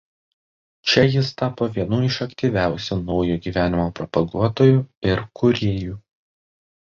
Čia jis tapo vienu iš aktyviausių naujo gyvenimo propaguotojų ir kūrėjų.